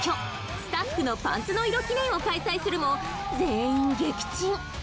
スタッフのパンツの色記念を開催するも全員撃沈